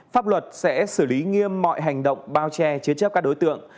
pháp luật sẽ xử lý nghiêm mọi hành động bao che chế chấp các đối tượng